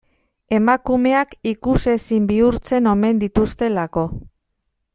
Emakumeak ikusezin bihurtzen omen dituztelako.